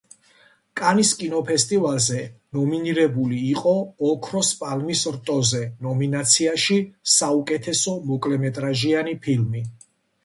კანის კინოფესტივალზე ნომინირებული იყო ოქროს პალმის რტოზე ნომინაციაში საუკეთესო მოკლემეტრაჟიანი ფილმი.